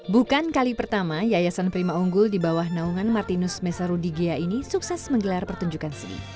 bukan kali pertama yayasan prima unggul di bawah naungan martinus mesarudigea ini sukses menggelar pertunjukan seni